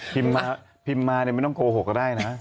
พิมพ์มาพิมพ์มาไม่ต้องโกหกก็ได้นะ